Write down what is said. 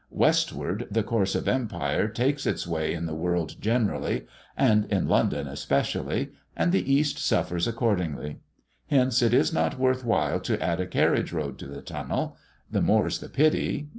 Westward the course of empire takes its way in the world generally, and in London especially, and the east suffers accordingly. Hence it was not worth while to add a carriage road to the tunnel. The more's the pity!